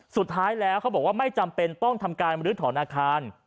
สุดท้ายแล้วเขาบอกว่าไม่จำเป็นต้องทำการบรื้อถอนอาคาร